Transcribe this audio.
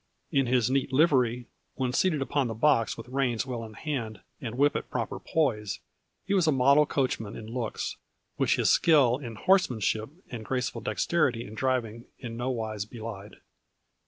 In his neat livery, when seated upon the box with reins well in hand and whip at proper poise, he was a model coachman in looks, which his skill in horseman ship and graceful dexterity in driving in no wise belied.